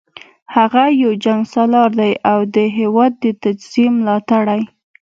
هغه یو جنګسالار دی او د هیواد د تجزیې ملاتړی